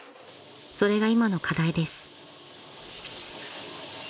それが今の課題です］